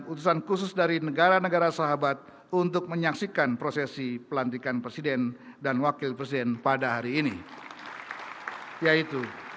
utusan khusus presiden persatuan emirat arab